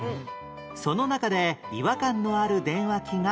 その中で違和感のある電話機がこちら